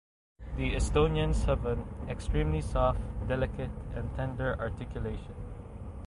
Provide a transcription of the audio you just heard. The Estonians have an extremely soft, delicate, and tender articulation.